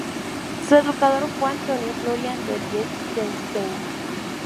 Su educador fue Antonio Florián de Liechtenstein.